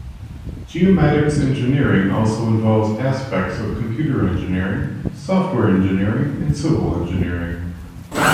Geomatics Engineering also involves aspects of Computer Engineering, Software Engineering and Civil Engineering.